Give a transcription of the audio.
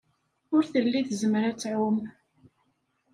Ur telli tezmer ad tɛum.